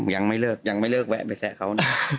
ยังไม่เลิกแวะไปแทะเขานะครับ